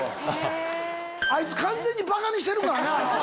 あいつ完全にバカにしてるからな。